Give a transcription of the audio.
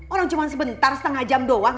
orang cuma sebentar setengah jam doang